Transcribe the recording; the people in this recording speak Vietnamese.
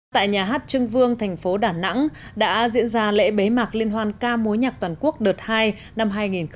tại nhà hát trưng vương thành phố đà nẵng đã diễn ra lễ bế mạc liên hoan ca mối nhạc toàn quốc đợt hai năm hai nghìn hai mươi